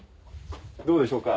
どうでしょうか？